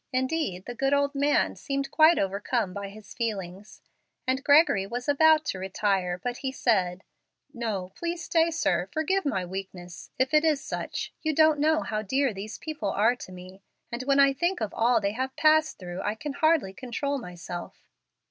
Indeed, the good old man seemed quite overcome by his feelings, and Gregory was about to retire, but he said, "No, please stay, sir. Forgive my weakness, if it is such. You don't know how dear these people are to me, and when I think of all they have passed through I can hardly control myself."